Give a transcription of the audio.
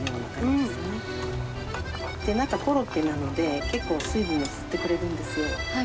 なんかコロッケなので結構水分も吸ってくれるんですよ。